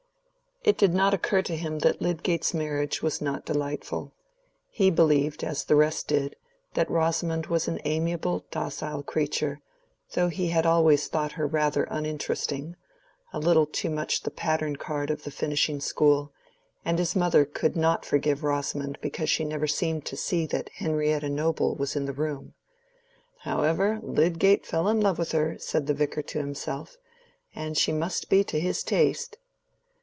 It did not occur to him that Lydgate's marriage was not delightful: he believed, as the rest did, that Rosamond was an amiable, docile creature, though he had always thought her rather uninteresting—a little too much the pattern card of the finishing school; and his mother could not forgive Rosamond because she never seemed to see that Henrietta Noble was in the room. "However, Lydgate fell in love with her," said the Vicar to himself, "and she must be to his taste."